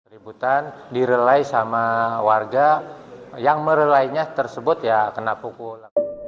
ributan direlai sama warga yang merelainya tersebut ya kena pukul